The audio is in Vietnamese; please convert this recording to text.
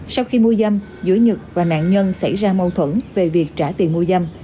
sau khi mua dâm giữa nhật và nạn nhân xảy ra mâu thuẫn về việc trả tiền mua dâm